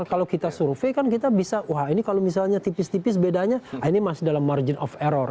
kalau kita survei kan kita bisa wah ini kalau misalnya tipis tipis bedanya ini masih dalam margin of error